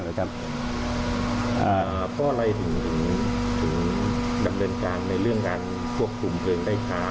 เพราะอะไรถึงดำเนินการในเรื่องการควบคุมเพลิงได้ค้า